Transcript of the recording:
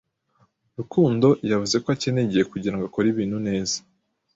Rukundo yavuze ko akeneye igihe kugirango akore ibintu neza.